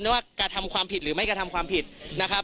ว่ากระทำความผิดหรือไม่กระทำความผิดนะครับ